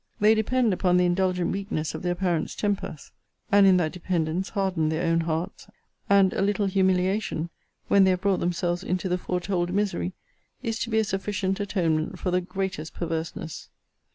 They depend upon the indulgent weakness of their parents' tempers, and, in that dependence, harden their own hearts: and a little humiliation, when they have brought themselves into the foretold misery, is to be a sufficient atonement for the greatest perverseness.